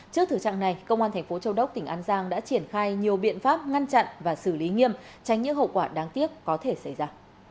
trước thử trạng này công an thành phố châu đốc tỉnh an giang đã triển khai nhiều biện pháp ngăn chặn và xử lý nghiêm tránh những hậu quả đáng tiếc có thể xảy ra